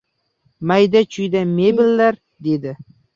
Mayda-chuyda medallar! — dedi.